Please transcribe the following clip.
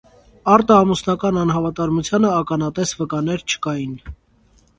Արտաամուսնական անհավատարմությանը ականատես վկաներ չկային։